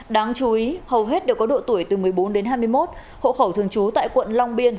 đáng chú ý hầu hết đều có độ tuổi từ một mươi bốn đến hai mươi một hộ khẩu thường trú tại quận long biên